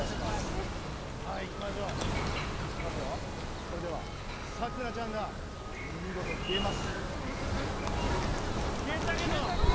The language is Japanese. それでは、さくらちゃんが見事消えます。